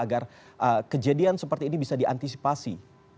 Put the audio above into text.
agar kejadian seperti ini bisa diantisipasi